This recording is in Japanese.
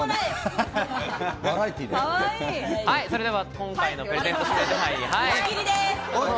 それでは今回のプレゼント指名手配。